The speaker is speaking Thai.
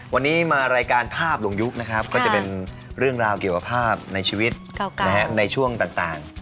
วันนี้มารายการภาพหลวงยุคนะครับก็จะเป็นเรื่องราวเกี่ยวกับภาพในชีวิตในช่วงต่าง